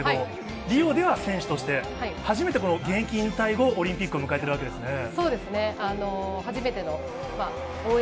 リオでは選手として初めて現役引退後オリンピックを迎えているわけですね。